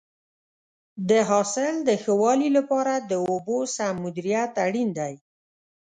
د حاصل د ښه والي لپاره د اوبو سم مدیریت اړین دی.